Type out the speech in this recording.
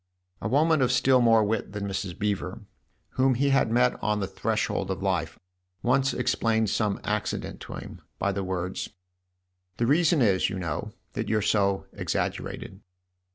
A woman of still more wit than Mrs. Beever, whom he had met on the threshold of life, once explained some accident to him by the words :" The reason is, you know, that you're so exaggerated."